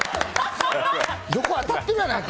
当たってるやないか。